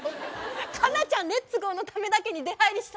かなちゃんレッツゴーのためだけに出はいりした。